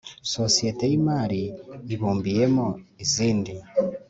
sosiyete y imari ibumbiyemo izindi